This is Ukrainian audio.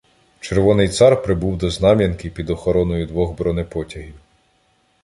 "Червоний цар" прибув до Знам'янки під охороною двох бронепотягів.